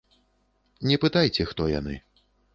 Не пытайце, хто яны.